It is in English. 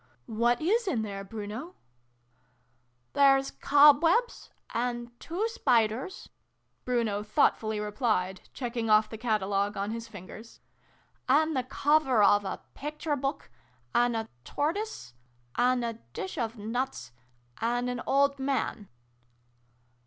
" What is in there, Bruno ?"" There's cobwebs and two spiders Bruno thoughtfully replied, checking off the catalogue on his fingers, " and the cover of a picture book and a tortoise and a dish of nuts and an old man."